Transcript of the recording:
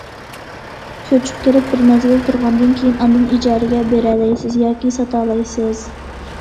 كۆچۈپ كىرىپ بىر مەزگىل تۇرغاندىن كىيىن ئاندىن ئىجارىگە بېرەلەيسىز ياكى ساتالايسىز.